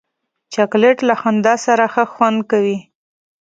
چاکلېټ له خندا سره ښه خوند کوي.